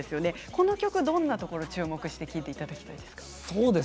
この曲どんなところを注目して聴いていただきたいですか。